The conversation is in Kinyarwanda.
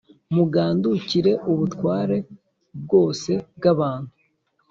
Mugandukire ubutware bwose bw abantu